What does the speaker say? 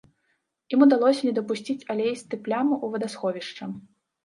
Ім удалося не дапусціць алеістыя плямы ў вадасховішча.